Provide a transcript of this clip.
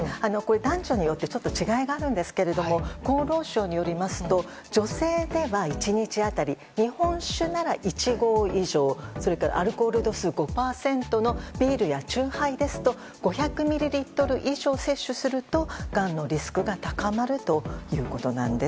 男女によって違いがあるんですけども厚労省によりますと女性では１日当たり日本酒なら１合以上それから、アルコール度数５％のビールや酎ハイですと５００ミリリットル以上摂取するとがんのリスクが高まるということです。